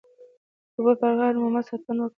د اوبو پر غاړه مو مست اتڼ وکړ.